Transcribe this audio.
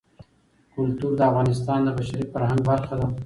کلتور د افغانستان د بشري فرهنګ برخه ده.